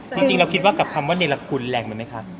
จริงเราคิดว่ากับคำว่าเนรคุณแรงไปไหมคะ